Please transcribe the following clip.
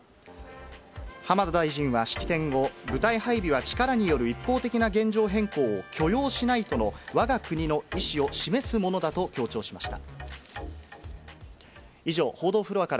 浜田大臣は式典後、部隊配備は、力による一方的な現状変更を許容しないとのわが国の意思を示すものだと強調しました。